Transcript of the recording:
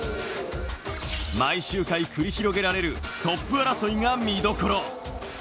毎周回繰り広げられるトップ争いが見どころ。